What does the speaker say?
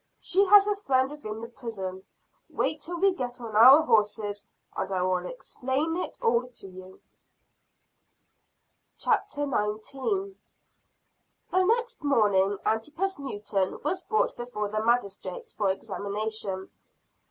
She has a friend within the prison. Wait till we get on our horses, and I will explain it all to you." CHAPTER XIX. Antipas Works a Miracle. The next morning Antipas Newton was brought before the Magistrates for examination.